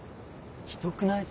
ひどくない？